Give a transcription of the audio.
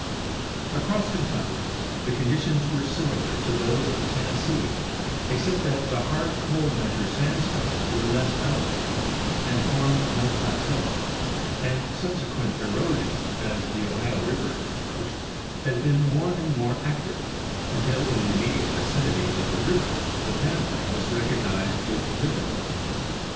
Across Kentucky the conditions were similar to those of Ten nessee, except that the hard Coal Measure sandstones were less elevated and férmed no plateau, and subsequent erosion, as the Ohio river is approached, has been more and more active, until in the immediate vicinity of the river the pleneplain is recognized with difficulty.